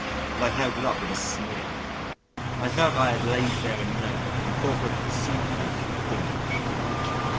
And I held it up with a sneer. I felt I had laid bare a nerve and forthwith proceeded to make it twinge.